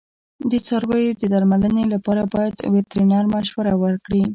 د څارویو د درملنې لپاره باید وترنر مشوره ورکړي.